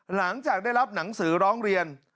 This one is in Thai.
หลังจากได้รับหนังสือร้องเรียน